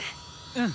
うん。